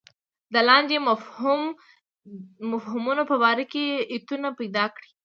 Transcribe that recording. د لاندې مفهومونو په باره کې ایتونه پیدا کړئ.